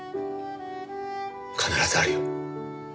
必ずあるよ。